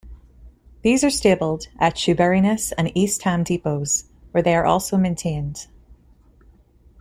These are stabled at Shoeburyness and East Ham depots, where they are also maintained.